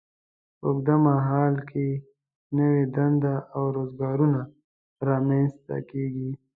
په اوږد مهال کې نوې دندې او روزګارونه رامینځته کیږي.